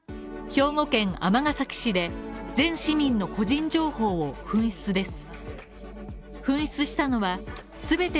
兵庫県尼崎市で全市民の個人情報を紛失です。